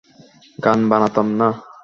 গান বানাতাম না।